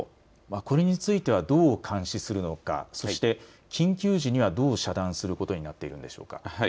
これについてはどう監視するのか、そして緊急時にはどう遮断することになっているんでしょうか。